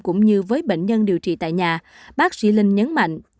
cũng như với bệnh nhân điều trị tại nhà bác sĩ linh nhấn mạnh